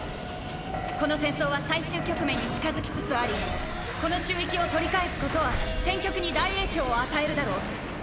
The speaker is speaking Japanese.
この戦争は最終局面に近づきつつありこの宙域を取り返すことは戦局に大影響を与えるだろう。